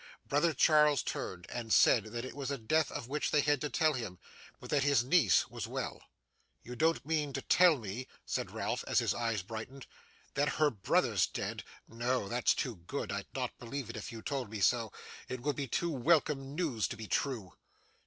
Brother Charles turned, and said that it was a death of which they had to tell him, but that his niece was well. 'You don't mean to tell me,' said Ralph, as his eyes brightened, 'that her brother's dead? No, that's too good. I'd not believe it, if you told me so. It would be too welcome news to be true.